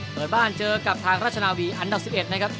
เปิดบ้านเจอกับทางราชนาวีอันดับ๑๑นะครับ